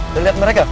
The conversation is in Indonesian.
lu lihat mereka